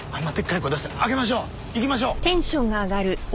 行きましょう。